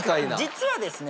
実はですね